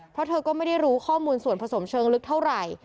เพราะเธอก็ไม่ได้รู้ข้อมูลส่วนผสมเชิงลึกเท่าไหร่